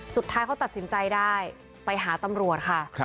สุดท้ายเขาตัดสินใจได้ไปหาตำรวจค่ะ